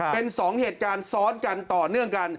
เป็นสองเหตุการณ์ซ้อนกันต่อเนื่องกัน